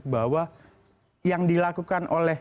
bahwa yang dilakukan oleh